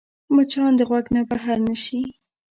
مچان د غوږ نه بهر نه شي